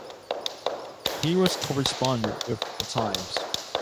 He was a correspondent with "The Times".